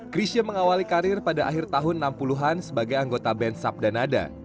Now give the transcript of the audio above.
krisha mengawali karir pada akhir tahun enam puluh an sebagai anggota band subdanada